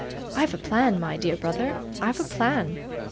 'I've a plan, my dear brother, I've a plan.